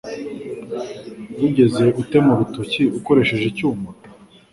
Wigeze utema urutoki ukoresheje icyuma?